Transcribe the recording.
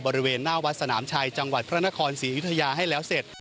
บริเวณหน้าวัดสนามชัยจังหวัดพระนครศรียุธยาให้แล้วเสร็จ